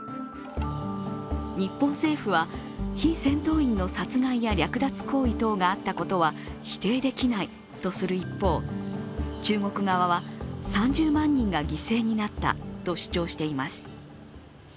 日本政府は、非戦闘員の殺害や略奪行為等があったことは否定できないとする一方、中国側は、３０万人が犠牲になったと主張しています。